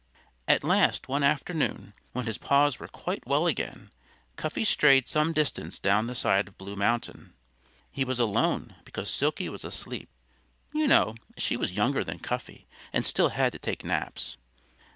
At last one afternoon when his paws were quite well again Cuffy strayed some distance down the side of Blue Mountain, He was alone, because Silkie was asleep. You know, she was younger than Cuffy and still had to take naps.